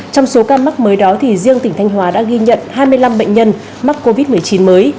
trong số ca mắc mới đó thì riêng tỉnh thanh hóa đã ghi nhận hai mươi năm bệnh nhân mắc covid một mươi chín mới